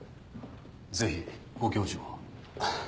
ぜひご教授を。